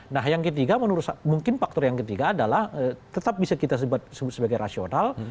nah yang ketiga menurut saya mungkin faktor yang ketiga adalah tetap bisa kita sebut sebagai rasional